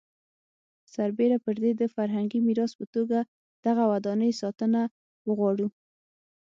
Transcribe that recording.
سربېره پر دې د فرهنګي میراث په توګه دغه ودانۍ ساتنه وغواړو.